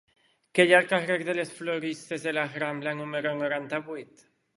Què hi ha al carrer de les Floristes de la Rambla número noranta-vuit?